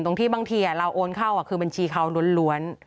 บางทีเราโอนเข้าคือบัญชีเขาล้วน